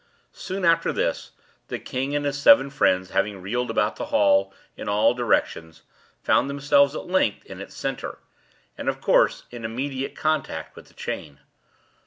Soon after this, the king and his seven friends having reeled about the hall in all directions, found themselves, at length, in its centre, and, of course, in immediate contact with the chain.